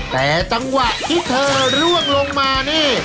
แต่จังหวะที่เธอร่วงลงมานี่